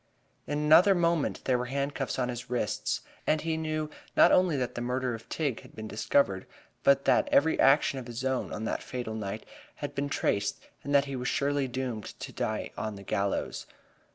In another moment there were handcuffs on his wrists and he knew not only that the murder of Tigg had been discovered, but that every action of his own on that fatal night had been traced and that he was surely doomed to die on the gallows.